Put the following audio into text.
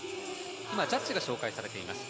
今ジャッジが紹介されています。